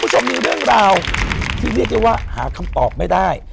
คุณผู้ชมมีเรื่องราวที่เรียกได้ว่าหาคำตอบไม่ได้